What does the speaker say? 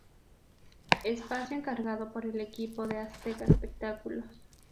Espacio encargado por el equipo de Azteca Espectáculos.